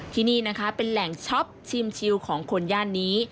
ที่นี่นะคะเป็นแหล่งช็อปชิมชิวของคนย่านนี้